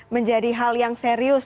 menjadi hal yang serius